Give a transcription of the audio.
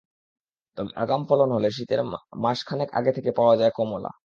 তবে আগাম ফলন হলে শীতের মাস খানেক আগে থেকে পাওয়া যায় কমলা।